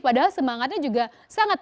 padahal semangatnya juga sangat